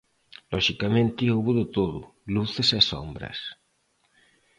Loxicamente houbo de todo, luces e sombras.